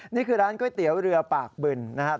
นี่คือร้านก๋วยเตี๋ยวเรือปากบึนนะครับ